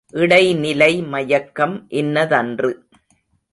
இடைநிலை மயக்கம் இன்னதன்று.